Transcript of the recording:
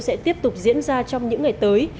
sẽ tiếp tục diễn ra trong những ngày tới